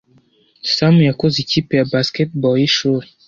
Sam yakoze ikipe ya basketball yishuri.